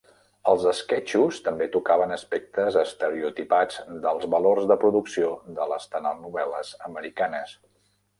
Els esquetxos també tocaven aspectes estereotipats dels valors de producció de les telenovel·les americanes.